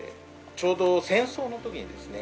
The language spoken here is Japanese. ちょうど戦争の時にですね